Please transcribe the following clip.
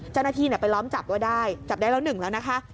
เจ้าหน้าที่ไปล้อมจับไว้ได้จับได้แล้วหนึ่งแล้วนะคะ